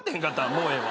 もうええわ。